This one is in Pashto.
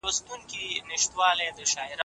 لښتې په خپلو تورو لاسو د کبانو په څېر لړزېده.